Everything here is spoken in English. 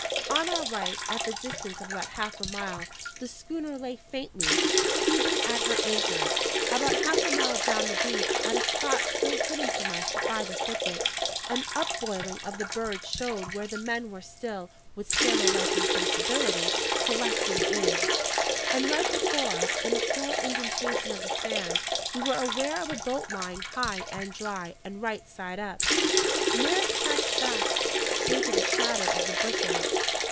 On our right, at the distance of about half a mile, the schooner lay faintly heaving at her anchors. About half a mile down the beach, at a spot still hidden from us by the thicket, an upboiling of the birds showed where the men were still (with sailor like insatiability) collecting eggs. And right before us, in a small indentation of the sand, we were aware of a boat lying high and dry, and right side up. Nares crouched back into the shadow of the bushes.